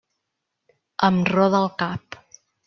Em roda el cap.